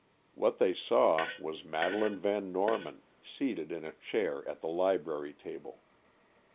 What they saw was Madeleine Van Norman, seated in a chair at the library table.